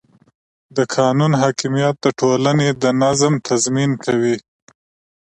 د قانون حاکمیت د ټولنې د نظم تضمین کوي